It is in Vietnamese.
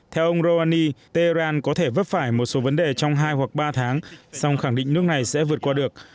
theo ông romani tehran có thể vấp phải một số vấn đề trong hai hoặc ba tháng song khẳng định nước này sẽ vượt qua được